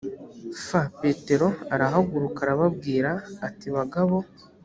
f petero arahaguruka arababwira ati bagabo